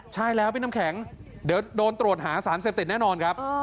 ใช่แล้วพี่น้ำแข็งเดี๋ยวโดนตรวจหาสารเสพติดแน่นอนครับ